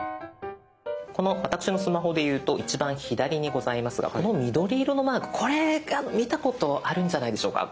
この私のスマホでいうと一番左にございますがこの緑色のマークこれ見たことあるんじゃないでしょうか？